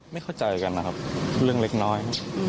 ไม่เข้าใจกันนะครับเรื่องเล็กน้อย